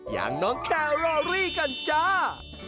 อย่างน้องแครอรี่กันจ้า